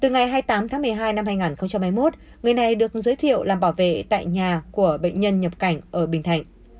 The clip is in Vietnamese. ngày hai mươi tám tháng một mươi hai năm hai nghìn hai mươi một người này được giới thiệu làm bảo vệ tại nhà của bệnh nhân nhập cảnh ở bình thạnh